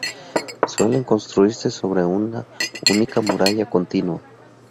Suelen construirse sobre una única muralla continua.